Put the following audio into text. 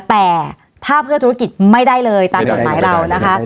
แต่ถ้าเพื่อธุรกิจไม่ได้เลยตามกฎหมายเรานะคะ